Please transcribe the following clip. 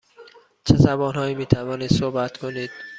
چه زبان هایی می توانید صحبت کنید؟